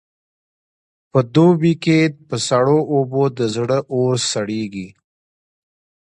په دوبې کې په سړو اوبو د زړه اور سړېږي.